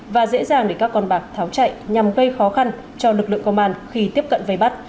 và dễ dàng để các con bạc tháo chạy nhằm gây khó khăn cho lực lượng công an khi tiếp cận vây bắt